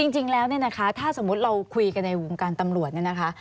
จริงแล้วถ้าสมมุติเราคุยกันในวงการตำรวจ